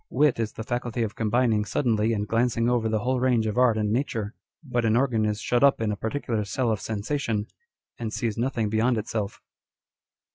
Wit is the faculty of combining suddenly and glancing over the whole range of art and nature ; but an organ is shut up in a particular cell of sensation, and sees nothing beyond itself.